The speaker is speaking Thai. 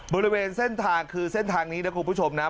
บริเวณเส้นทางคือเส้นทางนี้นะคุณผู้ชมนะ